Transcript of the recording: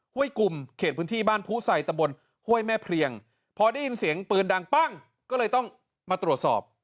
ห้วยกลุ่มเขตพื้นที่บ้านผู้ใส่ตำบลห้วยแม่เพลียงพอได้ยินเสียงปืนดังปั้งก็เลยต้องมาตรวจสอบ